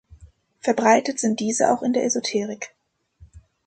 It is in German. Verbreitet sind diese auch in der Esoterik.